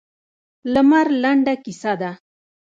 لمر لنډه کیسه ده.